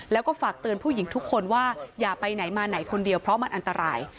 แล้วก็ฝากเตือนผู้หญิงทุกคนว่าอย่าไปไหนมาไหนคนเดียวเพราะมันอันตราย